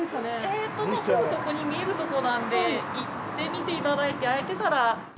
えっと、すぐそこに、見えるところなんで、行ってみていただいて、開いてたら。